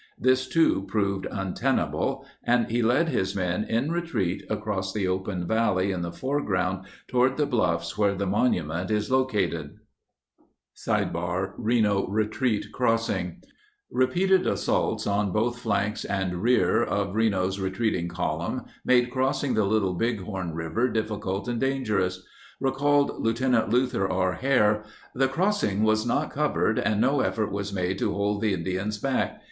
This, too, proved untenable, and he led his men in retreat across the open valley in the fore ground toward the bluffs where the monument is located. Reno Retreat Crossing Repeated assaults on both flanks and rear of Reno's retreating column made crossing the Little Bighorn River difficult and danger ous. Recalled Lt. Luther R. Hare: "The crossing was not covered and no effort was made to hold the Indians back.